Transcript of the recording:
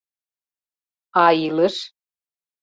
— А илыш?